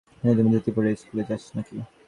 তুই কি এইরকম ধুতি পরে ইস্কুলে যাস নাকি।